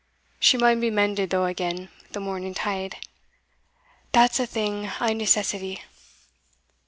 She maun be mended though again the morning tide that's a thing o' necessity."